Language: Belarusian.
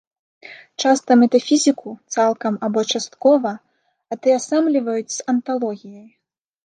Часта метафізіку, цалкам або часткова, атаясамліваюць з анталогіяй.